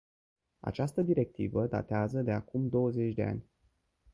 Această directivă datează de acum douăzeci de ani.